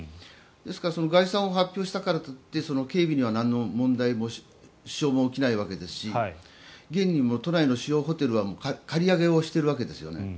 ですから概算を発表したからといって警備にはなんの問題も支障も起きないわけですし現に都内の主要ホテルは借り上げをしているわけですよ。